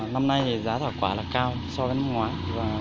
năm nay giá thảo quả cao so với năm ngoái